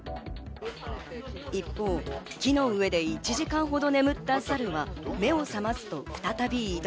一方、木の上で１時間ほど眠ったサルは、目を覚ますと再び移動。